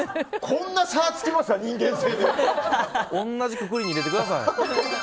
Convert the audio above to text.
こんなに差がつきましたか同じくくりに入れてください。